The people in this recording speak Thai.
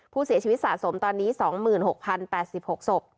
ผู้เสียชีวิตสะสมตอนนี้๒๖๐๘๖ศพ